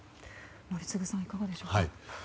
宜嗣さんいかがでしょうか？